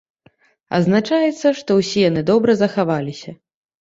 Адзначаецца, што ўсе яны добра захаваліся.